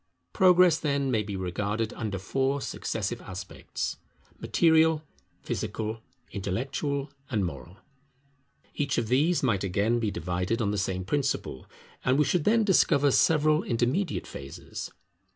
Progress, then, may be regarded under four successive aspects: Material, Physical, Intellectual, and Moral. Each of these might again be divided on the same principle, and we should then discover several intermediate phases.